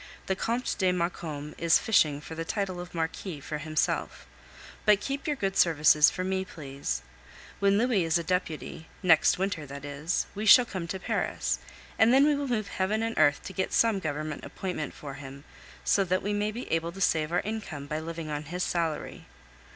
The Comte de Maucombe is fishing for the title of Marquis for himself; but keep your good services for me, please. When Louis is a deputy next winter that is we shall come to Paris, and then we will move heaven and earth to get some Government appointment for him, so that we may be able to save our income by living on his salary.